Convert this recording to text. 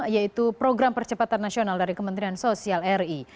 yaitu program percepatan nasional dari kementerian sosial ri